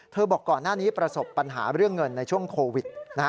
บอกก่อนหน้านี้ประสบปัญหาเรื่องเงินในช่วงโควิดนะฮะ